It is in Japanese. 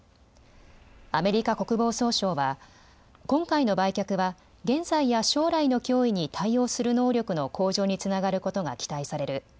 アメリカ国防総省は今回の売却は現在や将来の脅威に対応する能力の向上につながることが期待される。